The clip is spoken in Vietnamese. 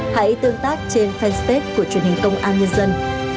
hãy tương tác trên fanpage của truyền hình công an nhân dân